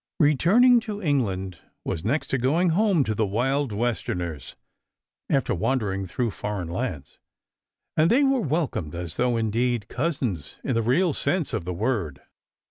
] Returning to England was next to going home to the wild Westerners, after wandering through foreign lands, and they were welcomed as though indeed "cousins" in the real sense of the word.